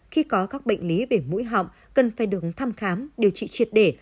khi có các bệnh lý về mũi họng cần phải được thăm khám điều trị triệt để